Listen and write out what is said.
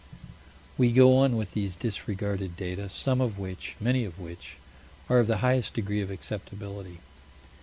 We go on with these disregarded data, some of which, many of which, are of the highest degree of acceptability.